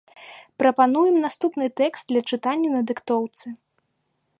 Прапануем наступны тэкст для чытання на дыктоўцы.